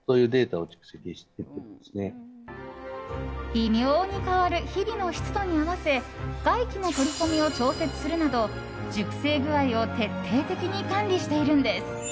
微妙に変わる日々の湿度に合わせ外気の取り込みを調節するなど熟成具合を徹底的に管理しているのです。